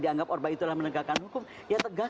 dianggap orba itulah menegakkan hukum ya tegak